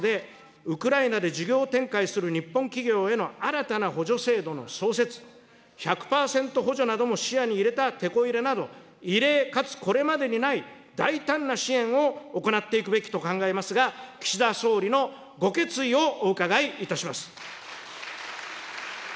そのためには今回の経済対策でウクライナで事業展開する日本企業への新たな補助制度の創設、１００％補助なども視野に入れたてこ入れなど、異例かつこれまでにない大胆な支援を行っていくべきと考えますが、岸田総理のご決意をお伺いいたします。